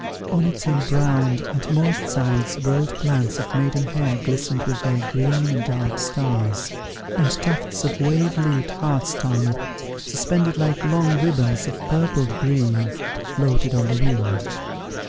On its embrowned and moist sides broad plants of maiden hair glistened with their green and dark stars; and tufts of wave leaved hart's tongue, suspended like long ribands of purpled green, floated on the wind.